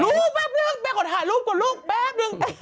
รูปแป๊บนึงแป๊บนึงไปก่อนถ่ายรูปก่อนรูปแป๊บนึง